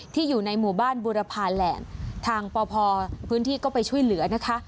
อยู่ในหมู่บ้านบุรพาแหลมทางปพพื้นที่ก็ไปช่วยเหลือนะคะ